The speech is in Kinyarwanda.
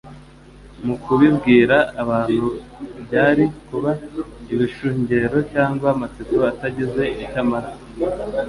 Mu kubibwira abantu, byari kuba ibishungero cyangwa amatsiko atagize icyo amaze.